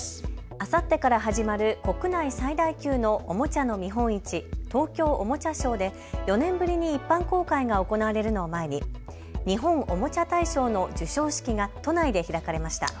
あさってから始まる国内最大級のおもちゃの見本市、東京おもちゃショーで４年ぶりに一般公開が行われるのを前に日本おもちゃ大賞の授賞式が都内で開かれました。